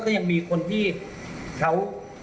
ก็ยังมีคนที่เขา